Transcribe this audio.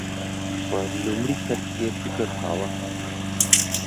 په لومړی سر کې یې فکر کاوه